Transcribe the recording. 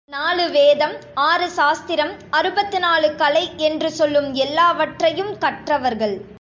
நாலு வேதம், ஆறு சாஸ்திரம், அறுபத்து நாலு கலை என்று சொல்லும் எல்லாவற்றையும் கற்றவர்கள்.